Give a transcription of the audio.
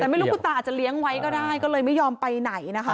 แต่ไม่รู้คุณตาอาจจะเลี้ยงไว้ก็ได้ก็เลยไม่ยอมไปไหนนะคะ